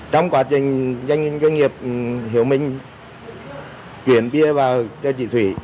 trong quá trình doanh nghiệp hiếu minh chuyển bia vào cho chị thủy